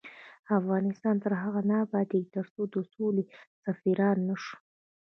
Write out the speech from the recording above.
افغانستان تر هغو نه ابادیږي، ترڅو د سولې سفیران نشو.